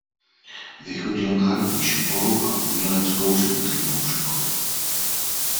Vychodil národní školu a uměleckou řemeslnou školu.